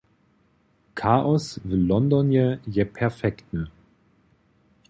Chaos w Londonje je perfektny.